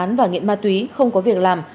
dương và nguyễn ma túy không có việc làm